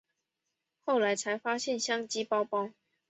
后来才发现相机包包